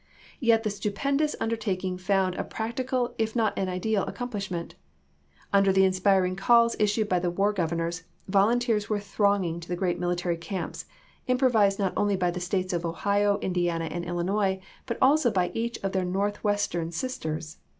Yet the stupendous un dertaking found a practical if not an ideal accom plishment. Under the inspiring calls issued by the War Governors, volunteers were thronging to the great military camps, improvised not only by the States of Ohio, Indiana, and Illinois, but also by each of their North western sisters.